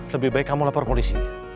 lebih baik kamu lapor polisi